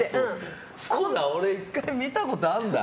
俺、１回見たことあんだ。